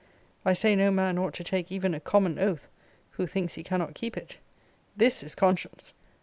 I say no man ought to take even a common oath, who thinks he cannot keep it. This is conscience!